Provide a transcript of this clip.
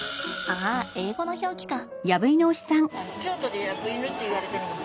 あ英語の表記か。